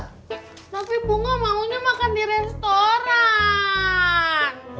tapi bunga maunya makan di restoran